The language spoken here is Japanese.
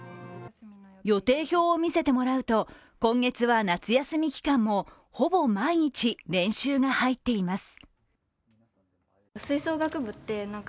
予定表を見せてもらうと、今月は夏休み期間もほぼ毎日、練習が入っています。